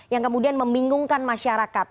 yang kemudian meminggungkan masyarakat